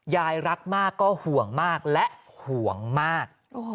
ยายรักมากก็ห่วงมากและห่วงมาก